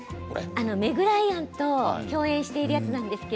メグ・ライアンと共演しているものです。